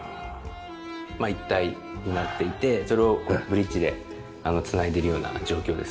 まあ一体になっていてそれをブリッジで繋いでるような状況ですね。